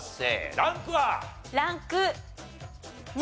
ランク２。